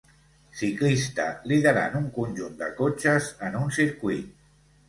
ciclista liderant un conjunt de cotxes en un circuit.